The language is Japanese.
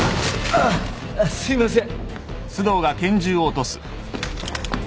あっすいません。